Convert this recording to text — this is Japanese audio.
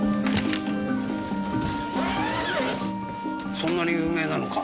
そんなに有名なのか？